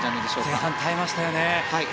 前半、耐えましたよね。